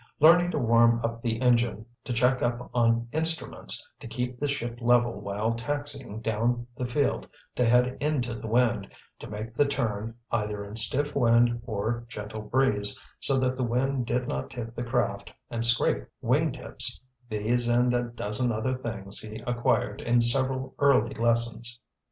Learning to warm up the engine, to check up on instruments, to keep the ship level while taxiing down the field to head into the wind, to make the turn, either in stiff wind or gentle breeze, so that the wind did not tip the craft and scrape wingtips—these and a dozen other things he acquired in several early lessons.